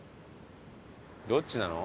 どっちなの？